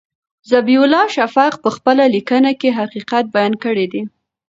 ذبیح الله شفق په خپله لیکنه کې حقیقت بیان کړی دی.